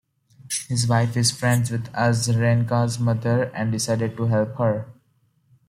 His wife is friends with Azarenka's mother and decided to help her.